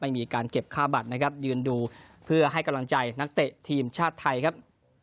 มีการเก็บค่าบัตรนะครับยืนดูเพื่อให้กำลังใจนักเตะทีมชาติไทยครับ